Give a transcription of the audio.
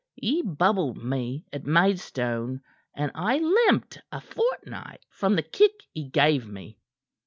He bubbled me at Maidstone, and I limped a fortnight from the kick he gave me."